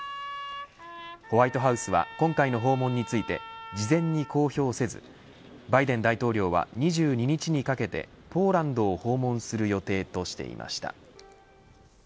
ホワイトハウスは今回の訪問について事前に公表せずバイデン大統領は２２日にかけてポーランドを訪問する予定としていました。